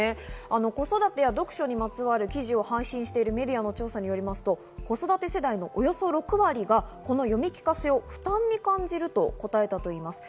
子育てや読書にまつわる記事を配信しているメディアの調査によりますと子育て世代のおよそ６割が読み聞かせを負担に感じると答えたといいます。